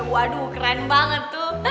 waduh keren banget tuh